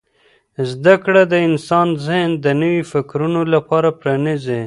زده کړه د انسان ذهن د نویو فکرونو لپاره پرانیزي.